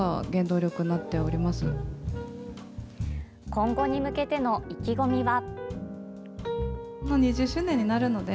今後に向けての意気込みは。